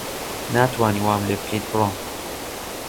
ناتوانی وام لێ بکەیت بڕۆم.